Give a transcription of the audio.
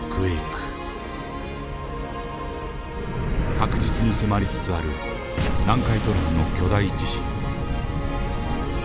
確実に迫りつつある南海トラフの巨大地震。